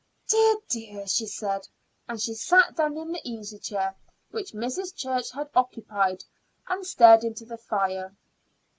"Dear, dear!" she said, and she sat down in the easy chair which Mrs. Church had occupied and stared into the fire.